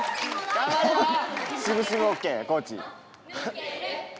頑張れっ！